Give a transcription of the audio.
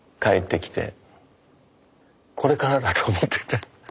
これからだと思ってた。